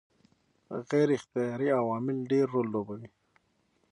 غیر اختیاري عوامل ډېر رول لوبوي.